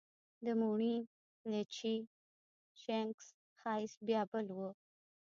د موڼي، لچي، شینګس ښایست بیا بل و